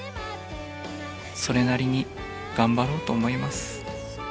それなりに頑張ろうと思います。